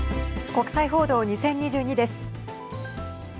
国際報道２０２２です。